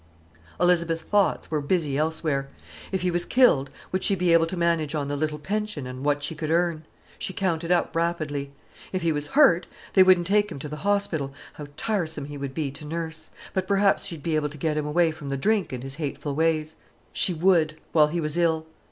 Elizabeth's thoughts were busy elsewhere. If he was killed—would she be able to manage on the little pension and what she could earn?—she counted up rapidly. If he was hurt—they wouldn't take him to the hospital—how tiresome he would be to nurse!—but perhaps she'd be able to get him away from the drink and his hateful ways. She would—while he was ill.